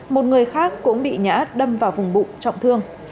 một người khác cũng bị ngã đâm vào vùng bụng trọng thương